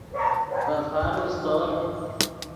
پے فارو سیتور